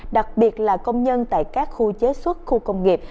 đặc biệt là công nhân tại các khu chế xuất khu công nghiệp